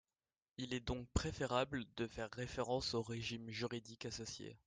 Il est donc préférable de faire référence au régime juridique associé.